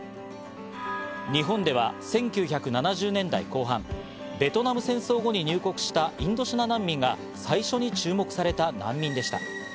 日本では１９７０年代後半、ベトナム戦争後に入国したインドシナ難民が最初に注目された難民でした。